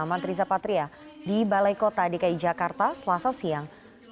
matriza patria di balai kota dki jakarta selasa siang